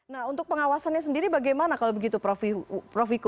nah untuk pengawasannya sendiri bagaimana kalau begitu prof iko